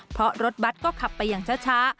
เพราะรถบัตรก็ขับไปอย่างช้า